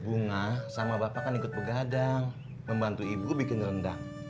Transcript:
bunga sama bapak kan ikut begadang membantu ibu bikin rendang